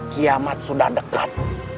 kiamat sudah dekat